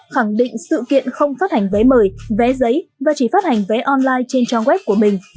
khẳng định sự kiện không phát hành vé mời vé giấy và chỉ phát hành vé online trên trang web của mình